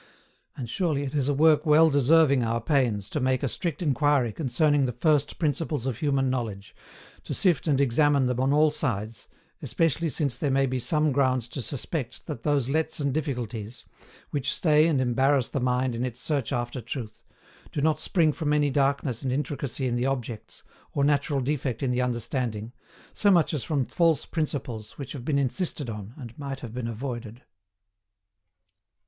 And surely it is a work well deserving our pains to make a strict inquiry concerning the First Principles of Human Knowledge, to sift and examine them on all sides, especially since there may be some grounds to suspect that those lets and difficulties, which stay and embarrass the mind in its search after truth, do not spring from any darkness and intricacy in the objects, or natural defect in the understanding, so much as from false Principles which have been insisted on, and might have been avoided.